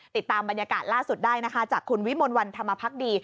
ติดตามบรรยากาศล่าสุดได้นะคะจากคุณวิมลวันธรรมพักดี